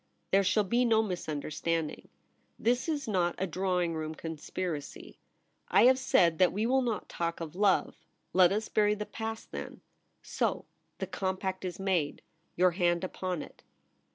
There shall be no mis understanding. This is not a drawing room conspiracy. I have said that we will not talk of love. Let us bury the past then. So ! The compact is made. Your hand upon it.'